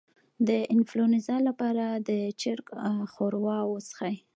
د انفلونزا لپاره د چرګ ښوروا وڅښئ